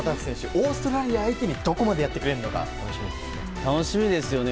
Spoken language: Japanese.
オーストラリア相手にどこまでやってくれるのか楽しみですね。